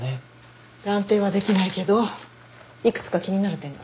断定はできないけどいくつか気になる点が。